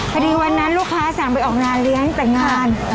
วันนั้นลูกค้าสั่งไปออกงานเลี้ยงแต่งงาน